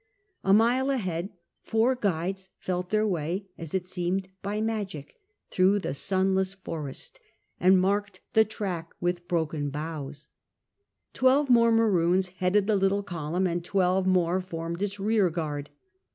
A mile ahead four guides felt their way, as . it seemed by magic, through the sunless forest, and marked the track with broken boughs. Twelve more Maroons headed the little column, and twelve more formed its rear guard.